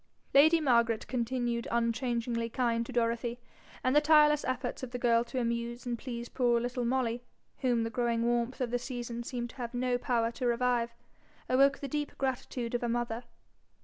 Lady Margaret continued unchangingly kind to Dorothy; and the tireless efforts of the girl to amuse and please poor little Molly, whom the growing warmth of the season seemed to have no power to revive, awoke the deep gratitude of a mother.